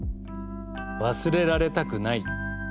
「忘れられたくない。